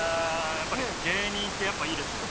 やっぱり芸人ってやっぱいいですよね